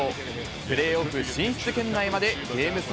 プレーオフ進出圏内までゲーム差